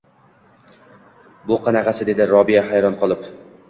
Bu qanaqasi dedi Robiya hayron qolib.